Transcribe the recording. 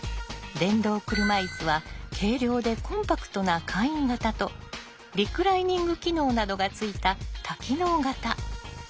電動車いすは軽量でコンパクトな簡易型とリクライニング機能などがついた多機能型。